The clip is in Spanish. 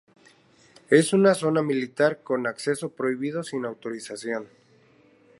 Es una zona militar con acceso prohibido sin autorización.